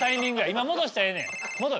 今戻したらええねん。